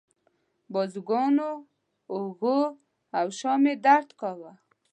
بازوګانو، اوږو او شا مې درد کاوه.